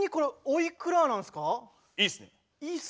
いいっすね？